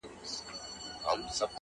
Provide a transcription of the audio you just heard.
ځوانيمرگي اوړه څنگه اخښل كېږي،